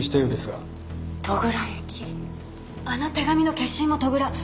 あの手紙の消印も戸倉。